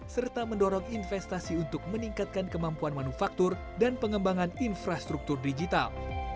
serta mendorong investasi untuk meningkatkan kemampuan manufaktur dan pengembangan infrastruktur digital